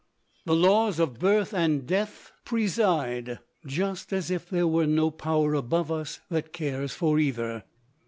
The laws of birth and death preside, just as if there were no power above us that cares for either.